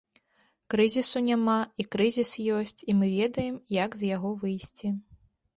Крызісу няма, і крызіс ёсць, і мы ведаем, як з яго выйсці.